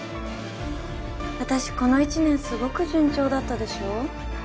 私この１年すごく順調だったでしょ？